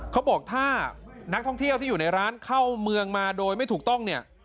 เขาบอกถ้านักท่องเที่ยวที่อยู่ในร้านเข้าเมืองมาโดยไม่ถูกต้องเนี่ย